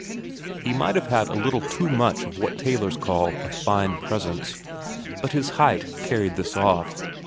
He might have a little too much of what tailors call a fine presence, but his height carried this off.